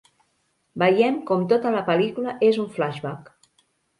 Veiem com tota la pel·lícula és un flashback.